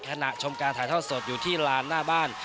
ชมการถ่ายทอดสดอยู่ที่ลานหน้าบ้าน